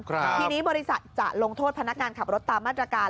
ทีนี้บริษัทจะลงโทษพนักงานขับรถตามมาตรการ